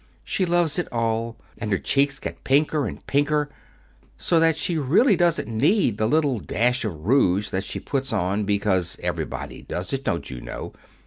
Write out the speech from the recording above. She loves it all, and her cheeks get pinker and pinker, so that she really doesn't need the little dash of rouge that she puts on 'because everybody does it, don't you know?'